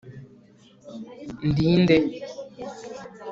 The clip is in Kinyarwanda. ndi nde